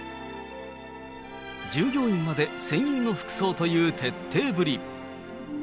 従業員まで船員の服装という徹底ぶり。